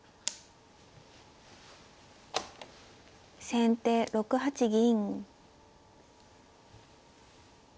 先手６八銀。